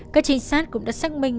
các chính sát cũng đã xác minh